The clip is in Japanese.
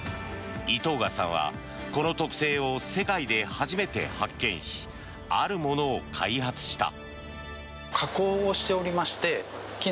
井藤賀さんはこの特性を世界で初めて発見しあるものを開発した。